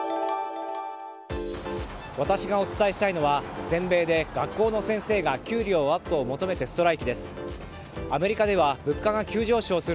私がお伝えしたいのは全米で学校の先生が給料アップを求めてストライキです。